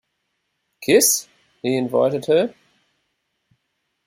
“Kiss?” he invited her.